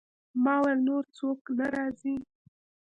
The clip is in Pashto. ما وویل: نور څوک نه راځي؟